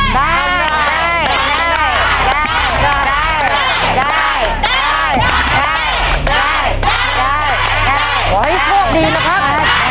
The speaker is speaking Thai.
ขอให้โชคดีนะครับ